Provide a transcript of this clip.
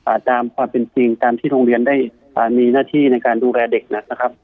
ตามความเป็นจริงตามที่โรงเรียนได้อ่ามีหน้าที่ในการดูแลเด็กนะครับ